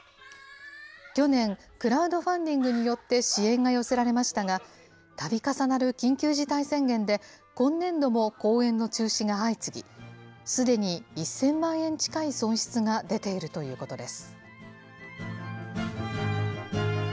去年、クラウドファンディングによって支援が寄せられましたが、たび重なる緊急事態宣言で、今年度も公演の中止が相次ぎ、すでに１０００万円近い損失が出ているということです。